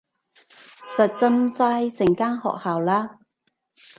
實浸晒成間學校啦